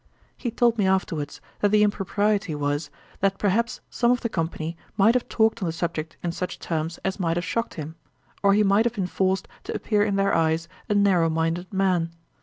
He told me afterwards, that the impropriety was, that perhaps some of the company might have talked on the subject in such terms as might have shocked him; or he might have been forced to appear in their eyes a narrow minded man.